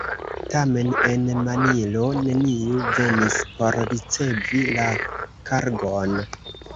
Tamen en Manilo neniu venis por ricevi la kargon.